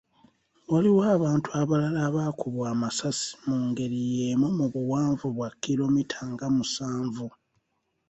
Waliwo abantu abalala abaakubwa amasasi mungeri yeemu mu buwanvu bwa kiromita nga musanvu.